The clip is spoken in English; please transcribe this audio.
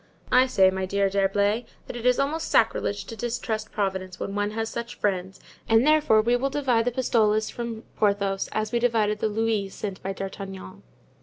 "I say, my dear D'Herblay, that it is almost sacrilege to distrust Providence when one has such friends, and therefore we will divide the pistoles from Porthos, as we divided the louis sent by D'Artagnan."